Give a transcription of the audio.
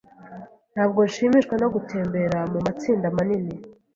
Ntabwo nshimishwa no gutembera mumatsinda manini.